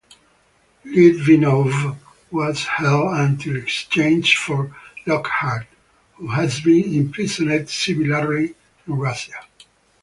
Litvinov was held until exchanged for Lockhart, who had been imprisoned similarly in Russia.